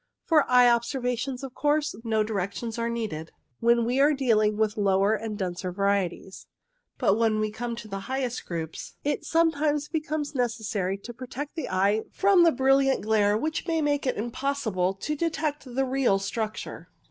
For eye observation, of course, no direc tions are needed when we are dealing with the lower and denser varieties ; but when we come to the highest groups it sometimes becomes necessary to protect the eye from the brilliant glare which may make it impossible to detect the real structure.